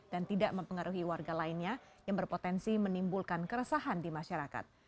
dan tidak mempengaruhi warga lainnya yang berpotensi menimbulkan keresahan di masyarakat